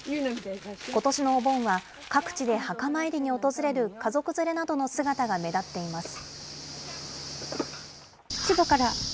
ことしのお盆は各地で墓参りに訪れる家族連れなどの姿が目立っています。